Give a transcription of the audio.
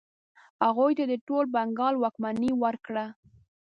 هغوی ته یې د ټول بنګال واکمني ورکړه.